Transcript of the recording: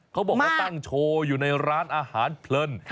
เขาบอกว่าตั้งโชว์อยู่ในร้านอาหารเพลิน